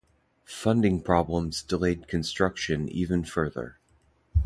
Funding problems delayed construction even further.